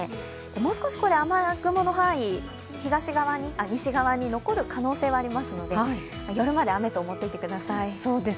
もう少し雨雲の範囲、西側に残る可能性はありますので、夜まで雨と思っていてください。